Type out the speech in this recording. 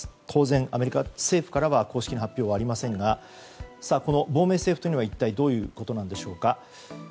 当然、アメリカ政府から正式な発表はありませんがこの亡命政府というのは、一体どういうことなんでしょうか。